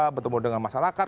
bertemu dengan masyarakat